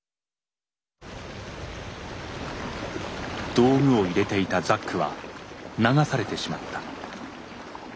道具を入れていたザックは流されてしまった。